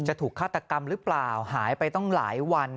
ถูกฆาตกรรมหรือเปล่าหายไปตั้งหลายวัน